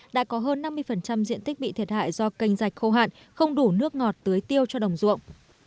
đã có hơn năm mươi diện tích bị thiệt hại do canh dạch khô hạn không đủ nước ngọt tưới tiêu cho đồng ruộng